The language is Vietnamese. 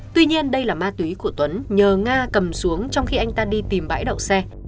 tuy nhiên đây là ma túy của tuấn nhờ nga cầm xuống trong khi anh ta đi tìm bãi đậu xe